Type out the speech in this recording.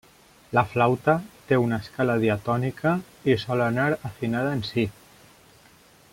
La flaüta té una escala diatònica i sol anar afinada en Si.